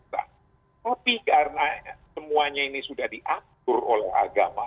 tapi karena semuanya ini sudah diatur oleh agama